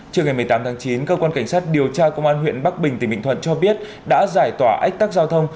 trước ngày một mươi tám tháng chín cơ quan cảnh sát điều tra công an huyện bắc bình tỉnh bình thuận cho biết đã giải tỏa ách tắc giao thông